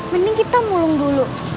mending kita mulung dulu